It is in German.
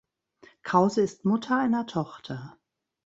Krause ist Mutter einer Tochter.